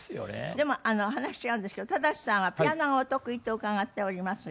でも話違うんですけど忠志さんはピアノがお得意って伺っておりますが。